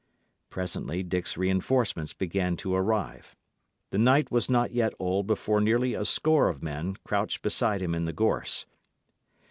Presently Dick's reinforcements began to arrive. The night was not yet old before nearly a score of men crouched beside him in the gorse.